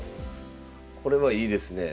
これはいいですねえ。